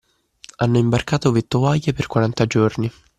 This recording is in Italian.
Hanno imbarcato vettovaglie per quaranta giorni